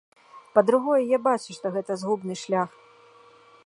Па-другое, я бачу, што гэта згубны шлях.